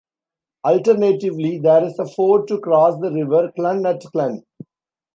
Alternatively, there is a ford to cross the River Clun at Clun.